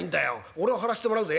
俺は張らしてもらうぜ。